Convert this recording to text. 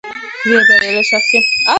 زه یو بریالی شخص یم